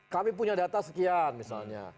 kami punya data sekian misalnya